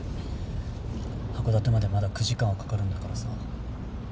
函館までまだ９時間はかかるんだからさ。